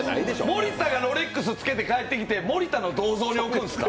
森田がロレックスつけて帰ってきてロレックスの銅像につけるんですか？！